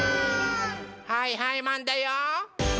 はいはいマンだよ！